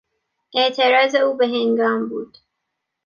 اعتراض او بههنگام بود.